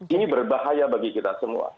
ini berbahaya bagi kita semua